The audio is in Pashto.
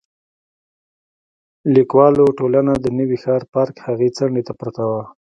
لیکوالو ټولنه د نوي ښار پارک هغې څنډې ته پرته وه.